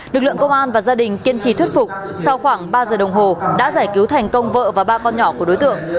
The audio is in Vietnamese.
lực lượng công an và gia đình kiên trì thuyết phục sau khoảng ba giờ đồng hồ đã giải cứu thành công vợ và ba con nhỏ của đối tượng